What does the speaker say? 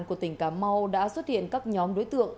của tỉnh cà mau đã xuất hiện các nhóm đối tượng